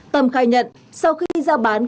tâm khai nhận sau khi ra bán